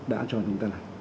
đã cho chúng ta lại